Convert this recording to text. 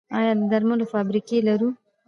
آیا د درملو فابریکې لرو؟